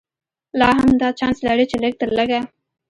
لا هم دا چانس لري چې لږ تر لږه.